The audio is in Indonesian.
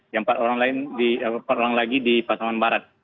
yang empat orang lagi di pasaman barat